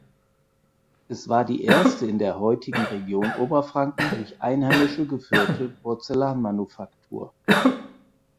Es war die erste in der heutigen Region Oberfranken durch Einheimische geführte Porzellanmanufaktur.